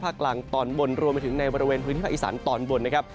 กลางตอนบนรวมไปถึงในบริเวณพื้นที่ภาคอีสานตอนบนนะครับ